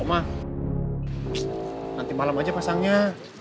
mah nanti malam aja pasangnya